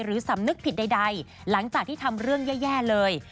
สำนึกผิดใดหลังจากที่ทำเรื่องแย่เลย